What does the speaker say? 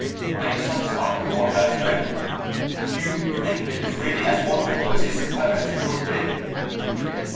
Are you satisfied with what I have shown you? Do you think it is really as wonderful as you supposed it would be?"